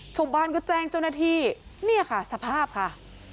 ชาวบ้านก็แจ้งเจ้าหน้าที่เนี่ยค่ะสภาพค่ะ